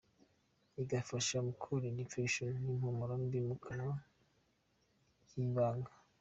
Igafasha mukurinda infection n’impumuro mbi mu myanya y ibanga.